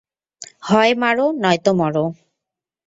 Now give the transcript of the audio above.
হয় মারো নয়তো মরো।